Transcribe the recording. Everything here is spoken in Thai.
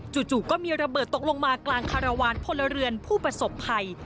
จู่ก็มีระเบิดตกลงมากลางคารวาลพลเรือนผู้ประสบภัย